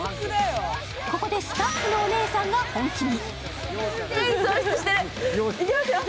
ここでスタッフのお姉さんが本気に。